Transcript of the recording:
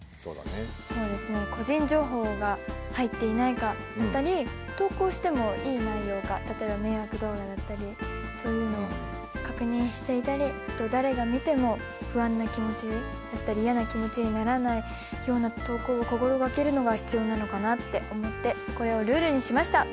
そうですね個人情報が入っていないかだったり投稿してもいい内容か例えば迷惑動画だったりそういうのを確認したり誰が見ても不安な気持ちだったりやな気持ちにならないような投稿を心がけるのが必要なのかなって思ってこれをルールにしました。